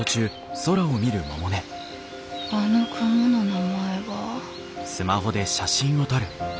あの雲の名前は。